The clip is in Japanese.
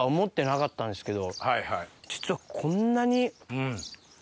実はこんなに。